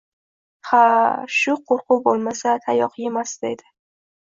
Ha, shu qo'rkuv bo'lmasa, tayoqemasaedi...